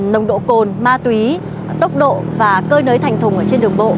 nồng độ cồn ma túy tốc độ và cơ nới thành thùng ở trên đường bộ